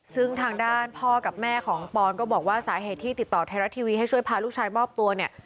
ซึ่งทางด้านพ่อกับแม่ของปอนก็บอกว่าสาเหตุที่ติดต่อไทยรัฐทีวีให้ช่วยพาลูกชายมอบตัวเนี่ย